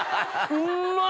うんまっ。